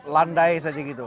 landai saja gitu